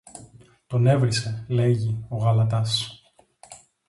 Τον έβρισε, λέγει, ο γαλατάς